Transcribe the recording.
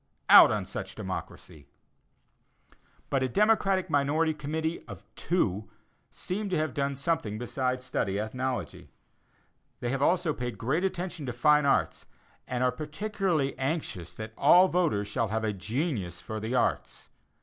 Out on such "democracy." But a Democratic minority committee (of two) seem to have done something besides study ethnology. They have also paid great attention to fine arts, and are particularly anxious that all voters shall have a "genius for the arts."